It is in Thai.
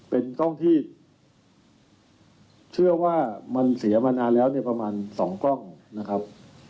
เป็นกล้องที่เชื่อว่ามันเสียมานานแล้วเนี่ยประมาณ๒กล้องนะครับ